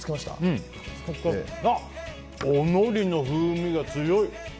おのりの風味が強い！